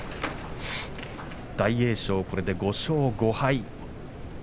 大栄翔はこれで５勝５敗。